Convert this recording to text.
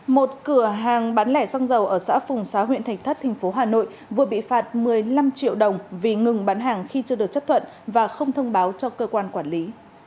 một cửa hàng bán lẻ xăng dầu ở xã phùng xá huyện thạch thất tp hà nội vừa bị phạt một mươi năm triệu đồng vì ngừng bán hàng khi chưa được chấp thuận và không thông báo cho cơ quan quản lý